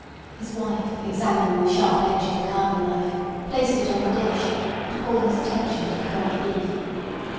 His wife examining the sharp edge of the carving knife, placed it on the dish, and called his attention to the cold beef.